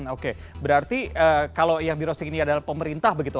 oke berarti kalau yang di roasting ini adalah pemerintah begitu